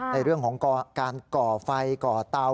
ในเรื่องของการก่อไฟก่อเตา